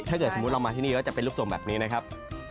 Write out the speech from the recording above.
ถ้าเกิดสมมุติเรามาที่นี่ก็จะเป็นลูกทรงแบบนี้นะครับ